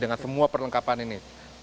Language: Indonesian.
dengan semua perlengkapan ini